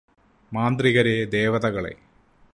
മാന്ത്രികരേ ദേവതകളേ